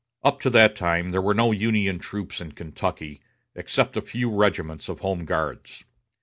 Up to that time there were no Union troops in Kentucky, except a few regiments of Home Guards.